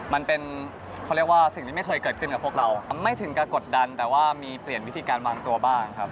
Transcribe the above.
มันเป็นเขาเรียกว่าสิ่งที่ไม่เคยเกิดขึ้นกับพวกเรามันไม่ถึงกับกดดันแต่ว่ามีเปลี่ยนวิธีการวางตัวบ้างครับ